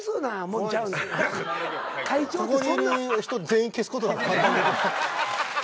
ここにいる人全員消すことだって簡単。